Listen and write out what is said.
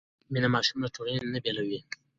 مینه ماشوم له ټولنې نه بېلوي نه.